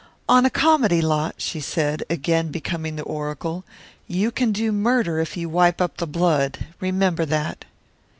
"On a comedy lot," she said, again becoming the oracle, "you can do murder if you wipe up the blood. Remember that."